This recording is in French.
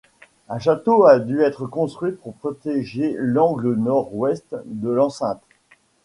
Un château a dû être construit pour protéger l'angle nord-ouest de l'enceinte.